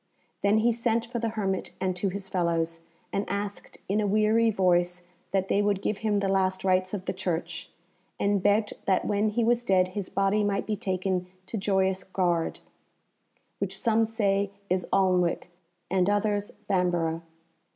Then he sent for the hermit and to his fellows, and asked in a weary voice that they would give him the last rites of the Church; and begged that when he was dead his body might be taken to Joyous Gard, which some say is Alnwick and others Bamborough.